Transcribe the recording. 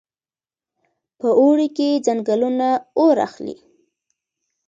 په اوړي کې ځنګلونه اور اخلي.